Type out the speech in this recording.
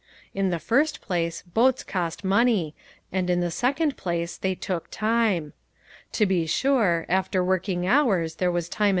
In the first place, boats cost money, and in the second place they took time. To be sure, after working hours, there was time PLEASURE AND DISAPPOINTMENT.